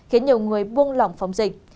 khiến nhiều người buông lỏng phòng dịch